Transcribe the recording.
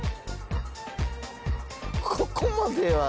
ここまでは。